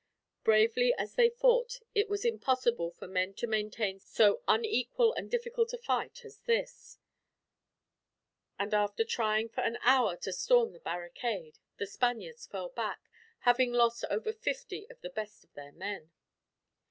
Bravely as they fought, it was impossible for men to maintain so unequal and difficult a fight as this; and after trying for an hour to storm the barricade, the Spaniards fell back, having lost over fifty of the best of their men.